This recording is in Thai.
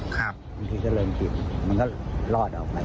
บางทีก็เลยติดมันก็รอดออกไป